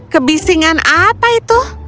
kebisingan apa itu